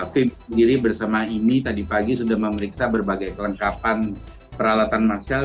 tim sendiri bersama imi tadi pagi sudah memeriksa berbagai kelengkapan peralatan marsial